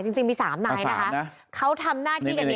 จริงมีสามน้ายนะคะเขาทำหน้าที่กันเนี่ย